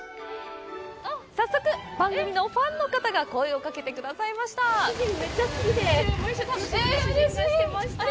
早速、番組のファンの方が声をかけてくださいました。